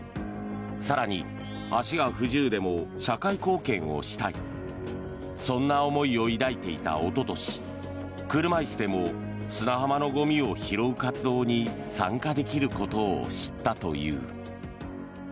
更に、足が不自由でも社会貢献をしたいそんな思いを抱いていたおととし車椅子でも砂浜のゴミを拾う活動に参加できることを知ったという。